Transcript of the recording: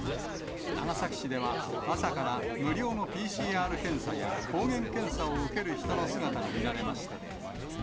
長崎市では、朝から無料のＰＣＲ検査や抗原検査を受ける人の姿が見られました。